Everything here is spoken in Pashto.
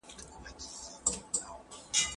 خیال لرونکي خلک مو لویو خوبونو ته هڅوي.